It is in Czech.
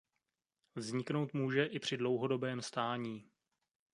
Vzniknout může i při dlouhodobém stání.